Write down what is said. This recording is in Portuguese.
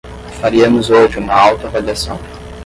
Faríamos hoje uma autoavaliação